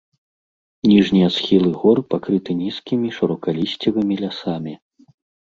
Ніжнія схілы гор пакрыты нізкімі шырокалісцевымі лясамі.